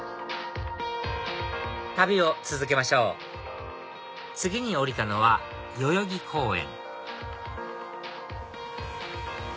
旅を続けましょう次に降りたのは代々木公園